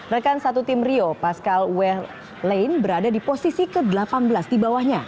rekan satu tim rio pascal weh lain berada di posisi ke delapan belas di bawahnya